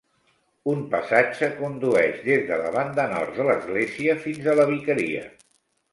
Un passatge condueix des de la banda nord de l'església fins a la vicaria.